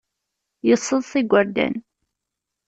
Yesseḍs igerdan.